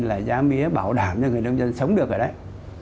là giá mía bảo đảm cho người nông dân sống được ở đấy